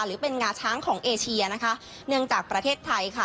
หรือเป็นงาช้างของเอเชียนะคะเนื่องจากประเทศไทยค่ะ